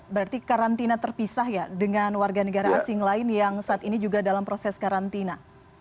berarti karantina terpisah ya dengan warga negara asing lain yang saat ini juga dalam proses karantina